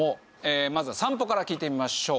まずは散歩から聞いてみましょう。